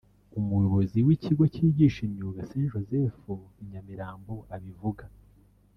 umuyobozi w’ikigo kigisha imyuga st Joseph i Nyamirambo abivuga